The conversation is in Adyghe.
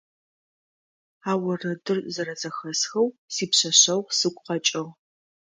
А орэдыр зэрэзэхэсхэу сипшъэшъэгъу сыгу къэкӀыгъ.